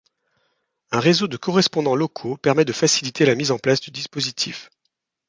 Un réseau de correspondants locaux permet de faciliter la mise en place du dispositif.